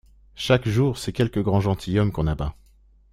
Chaque jour c’est quelque grand gentilhomme qu’on abat.